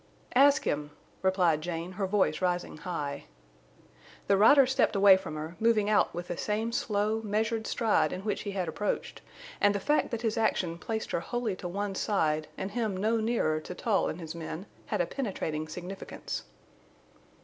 "Ask him," replied Jane, her voice rising high. The rider stepped away from her, moving out with the same slow, measured stride in which he had approached, and the fact that his action placed her wholly to one side, and him no nearer to Tull and his men, had a penetrating significance.